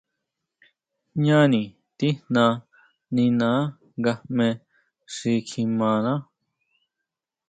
Jñáni tijna niná nga jme xi kjimaná.